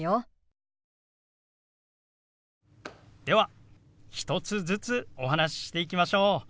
では１つずつお話ししていきましょう。